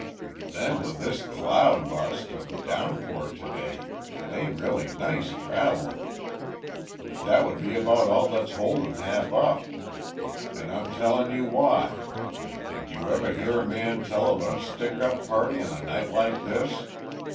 "Then with this cloud bust an' downpour today, it ain't real nice travellin'. That would be about all that's holdin' Hap up. An' I'm tellin' you why: Did you ever hear a man tell of a stick up party on a night like this?